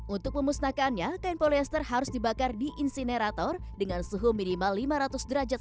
untuk memusnahkannya kain polyester harus dibakar di insinerator dengan suhu minimal lima ratus derajat